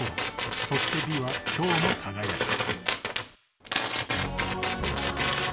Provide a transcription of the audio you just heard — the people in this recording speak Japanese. ［そして美は今日も輝く］